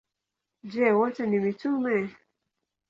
Je, wote ni mitume?